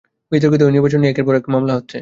বিতর্কিত ওই নির্বাচন নিয়ে একের পর মামলা হচ্ছে।